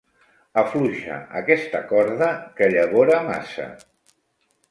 Afluixa aquesta corda, que llavora massa.